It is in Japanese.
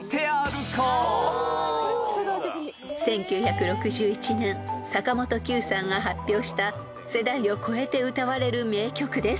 ［１９６１年坂本九さんが発表した世代を超えて歌われる名曲です］